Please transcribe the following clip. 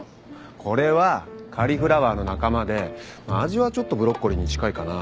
これはカリフラワーの仲間で味はちょっとブロッコリーに近いかな。